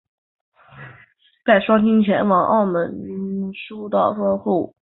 带双亲前往澳门输到脱裤